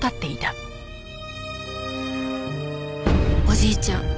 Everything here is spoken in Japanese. おじいちゃん